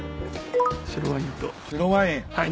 白ワインと。